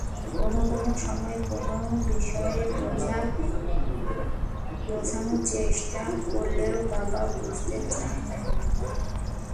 কোনো কোনো সময় কোনো বিষয়ে বোঝানোর চেষ্টা করলেও বাবা বুঝতে চান না।